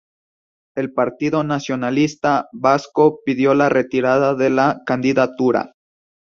El Partido Nacionalista Vasco pidió la retirada de la candidatura.